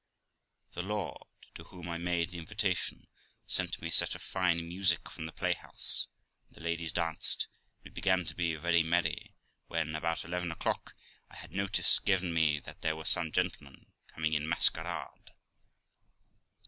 My Lord , to whom I had made the invitation, sent me a set of fine music from tk* playhouse, and the ladies danced, and we began to be very merry, when, about eleven o'clock, I had notice given me that there were some gentlemen coming in masquerade.